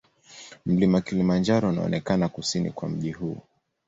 Mlima Kilimanjaro unaonekana kusini mwa mji huu.